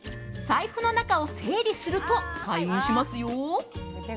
財布の中を整理すると開運しますよ。